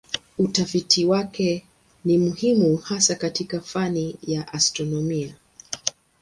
Utafiti wake ni muhimu hasa katika fani ya astronomia.